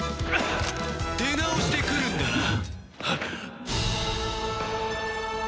出直してくるんだな。